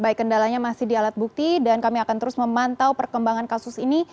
baik kendalanya masih di alat bukti dan kami akan terus memantau perkembangan kasus ini